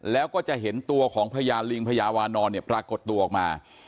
แล้วก็จะเห็นตัวของพญาลิงพญาวานอนเนี่ยปรากฏตัวออกมา